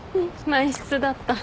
満室だった。